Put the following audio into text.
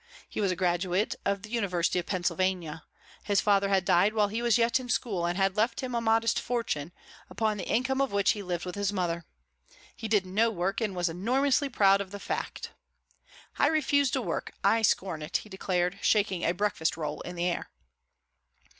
He was a graduate of the University of Pennsylvania. His father had died while he was yet in school and had left him a modest fortune, upon the income of which he lived with his mother. He did no work and was enormously proud of the fact. "I refuse to work! I scorn it!" he declared, shaking a breakfast roll in the air.